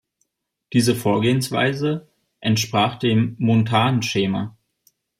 Diese Vorgehensweise entsprach dem Montan-Schema.